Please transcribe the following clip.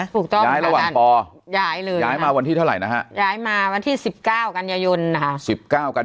พูดถ้านี้ย้ายระหว่างเรียนป๑เลยใช่ไม๊